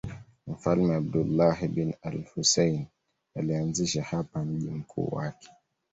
Mfalme Abdullah bin al-Husayn alianzisha hapa mji mkuu wake.